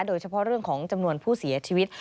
โดยเฉพาะเรื่องของจำนวนผู้เสียชีวิต